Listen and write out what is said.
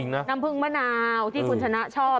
น้ำผึ้งมะนาวที่คุณชนะชอบ